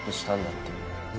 っていうね